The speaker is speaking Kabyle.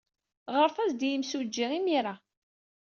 Ɣret-as-d i yimsujji imir-a.